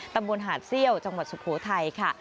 ตำบลหาดเซี่ยวจังหวัดสุโขทัยค่ะ